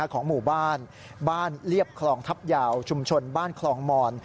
ของหมู่บ้านบ้านเรียบคลองทัพยาวชุมชนบ้านคลองมอน